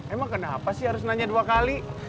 emang kenapa sih harus nanya dua kali